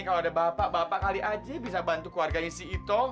kalau ada bapak bapak kali aji bisa bantu keluarganya si ito